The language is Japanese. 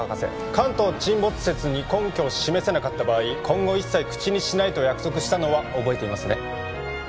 関東沈没説に根拠を示せなかった場合今後一切口にしないと約束したのは覚えていますね